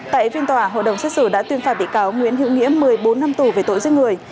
tại phiên tòa hội đồng xét xử đã tuyên phạt bị cáo nguyễn hữu nghĩa một mươi bốn năm tù về tội giết người